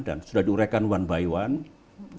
dan sudah diurahkan one by one